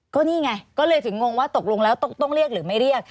ก็นี่ไงก็เลยถึงงงว่าตกลงแล้วต้องเรียกหรือไม่เรียก